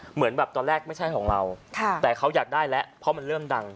เหมือนแบบตอนแรกไม่ใช่ของเราแต่เขาอยากได้แล้วเพราะมันเริ่มดัง